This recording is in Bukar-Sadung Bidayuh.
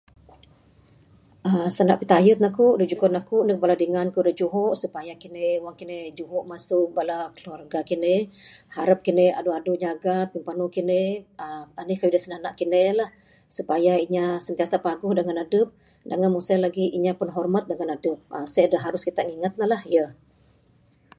aaa Sanda pitayen aku da jugon aku neg bala dingan ku da juho supaya kine wang kine juho masu bala keluarga kine harap kine adu adu nyaga pimpanu kine aaa anih kayuh da sinanda kine lah. Supaya inya sentiasa paguh dangan adep. Dangan mung sien inya pun hormat ngan adep, seh da harus kita ningat ne lah yeh